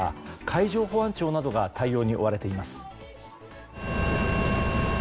海上保安庁などが対応に追われています。